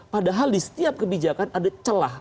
padahal di setiap kebijakan ada celah